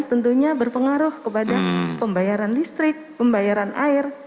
tentunya berpengaruh kepada pembayaran listrik pembayaran air